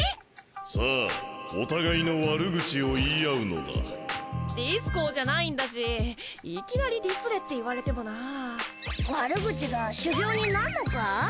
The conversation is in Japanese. さぁお互いの悪口をディスコウじゃないんだしいきなりディスれって言われてもなぁ悪口が修行になんのか？